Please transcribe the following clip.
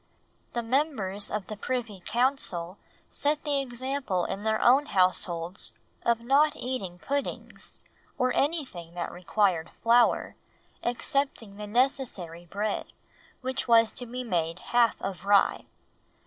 The members of the Privy Council set the example in their own households of not eating puddings, or anything that required flour, excepting the necessary bread, which was to be half made of rye.